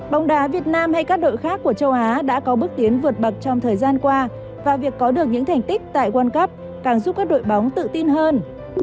bóng đá việt nam hay các đội khác của châu á đã có bước tiến vượt bậc trong thời gian qua và việc có được những thành tích tại world cup càng giúp các đội bóng tự tin hơn